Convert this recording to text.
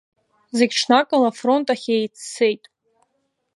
Зегь ҽнакала афронт ахь еиццеит.